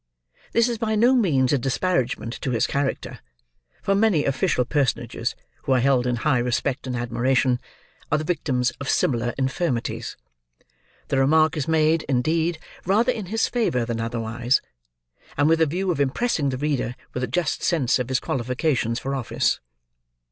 This is by no means a disparagement to his character; for many official personages, who are held in high respect and admiration, are the victims of similar infirmities. The remark is made, indeed, rather in his favour than otherwise, and with a view of impressing the reader with a just sense of his qualifications for office.